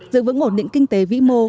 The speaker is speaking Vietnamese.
giữ vững ổn định kinh tế vĩ mô